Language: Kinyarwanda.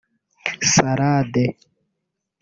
salade